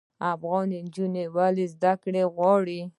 افغان نجونې ولې زده کړې غواړي؟